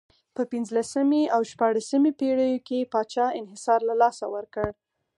په پنځلسمې او شپاړسمې پېړیو کې پاچا انحصار له لاسه ورکړ.